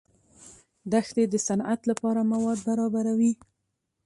دښتې د صنعت لپاره مواد برابروي.